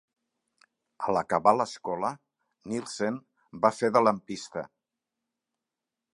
A l'acabar l'escola, Nilsen va fer de lampista.